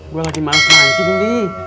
gue gak cinta mancing d